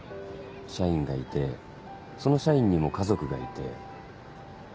社員がいてその社員にも家族がいて。